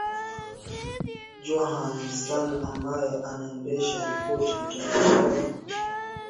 Johanna Son ambaye anaendesha ripoti mtandao unaofuatilia matukio ya haki za raia huko Myanmar